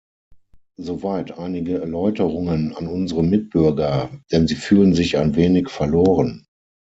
Soweit einige Erläuterungen an unsere Mitbürger, denn sie fühlen sich ein wenig verloren.